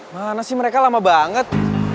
mana sih mereka lama banget